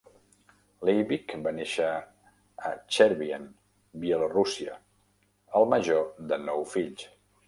Leivick va néixer a Chervyen, Bielorússia, el major de nou fills.